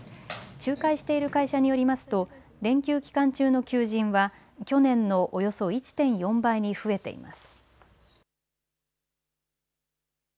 仲介している会社によりますと連休期間中の求人は去年のおよそ１．４倍に増えています。